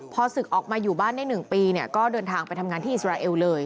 พอศึกออกมาอยู่บ้านได้๑ปีก็เดินทางไปทำงานที่อิสราเอลเลย